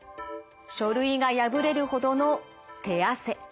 書類が破れるほどの手汗。